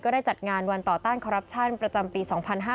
ได้จัดงานวันต่อต้านคอรัปชั่นประจำปี๒๕๕๙